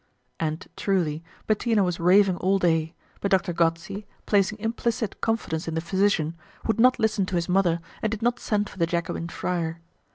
And truly, Bettina was raving all day, but Dr. Gozzi, placing implicit confidence in the physician, would not listen to his mother, and did not send for the Jacobin friar.